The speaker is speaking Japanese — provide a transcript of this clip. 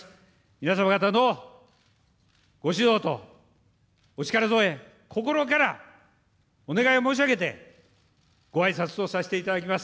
皆様方のご指導とお力添え、心からお願いを申し上げて、ごあいさつとさせていただきます。